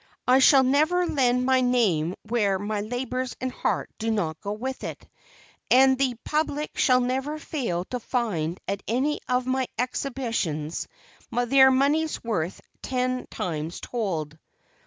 I shall never lend my name where my labors and heart do not go with it, and the public shall never fail to find at any of my exhibitions their money's worth ten times told.